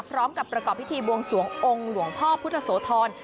พร้อมกับประกอบพิธีบวงสวงองค์หลวงพ่อพุทธโสธร